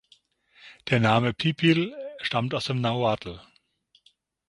Der Name "Pipil" stammt aus dem Nahuatl.